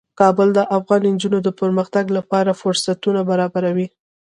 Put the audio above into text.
کابل د افغان نجونو د پرمختګ لپاره فرصتونه برابروي.